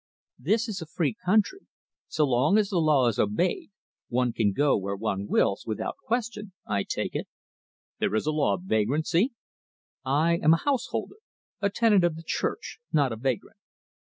"This is a free country. So long as the law is obeyed, one can go where one wills without question, I take it." "There is a law of vagrancy." "I am a householder, a tenant of the Church, not a vagrant."